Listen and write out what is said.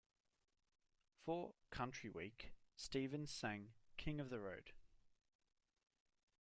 For "Country Week," Stevens sang "King of the Road.